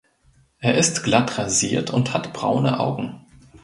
Er ist glatt rasiert und hat braune Augen.